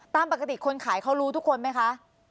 ตามปกติคนขายเขารู้ทุกคนไหมคะ